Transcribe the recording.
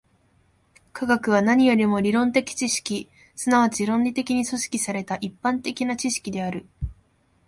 科学は何よりも理論的知識、即ち論理的に組織された一般的な知識である。